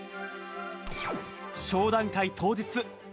商談会当日。